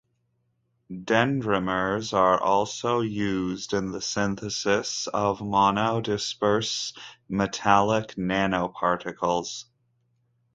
Dendrimers also are used in the synthesis of monodisperse metallic nanoparticles.